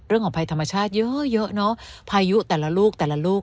เรื่องของภัยธรรมชาติเยอะเยอะเนอะพายุแต่ละลูกแต่ละลูก